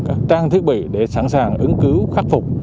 các trang thiết bị để sẵn sàng ứng cứu khắc phục